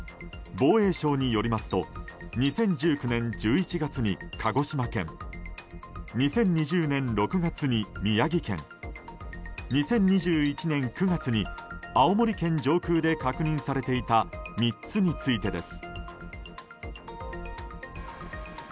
防衛省によりますと２０１９年１１月に鹿児島県２０２０年６月に宮城県２０２１年９月に青森県上空で確認されていた３つについてです。